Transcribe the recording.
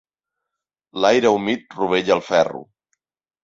L'aire humit rovella el ferro.